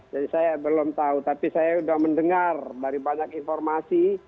jadi saya belum tahu tapi saya sudah mendengar dari banyak informasi